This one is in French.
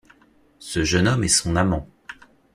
Ce jeune homme est son amant.